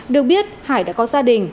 được biết hải đã có gia đình